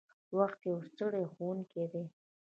• وخت یو ستر ښوونکی دی.